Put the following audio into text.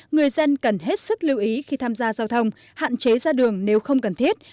người dân cần hết sức lưu ý khi tham gia giao thông hạn chế ra đường nếu không cần thiết